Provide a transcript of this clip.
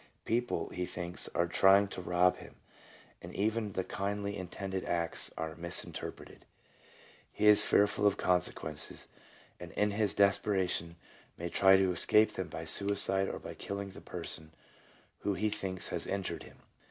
People, he thinks, are trying to rob him, and even the kindly intended acts are misinterpreted. He is fearful of consequences, and in his desperation may try to escape them by suicide or by killing the person who he thinks has injured him.